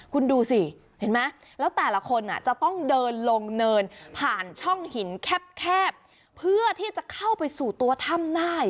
คุณดูสิเห็นไหมแล้วแต่ละคนจะต้องเดินลงเนินผ่านช่องหินแคบเพื่อที่จะเข้าไปสู่ตัวถ้ำได้